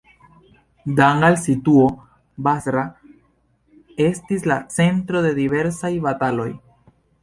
Dank al situo, Basra estis la centro de diversaj bataloj.